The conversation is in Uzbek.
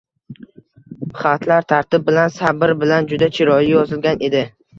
Xatlar tartib bilan, sabr bilan juda chiroyli yozilgan edi.